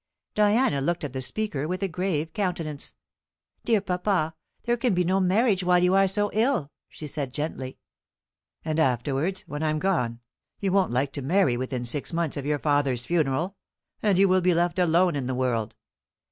Diana looked at the speaker with a grave countenance. "Dear papa, there can be no marriage while you are so ill," she said gently. "And afterwards, when I'm gone, you won't like to marry within six months of your father's funeral; and you will be left alone in the world.